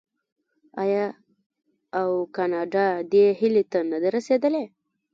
آیا او کاناډا دې هیلې ته نه ده رسیدلې؟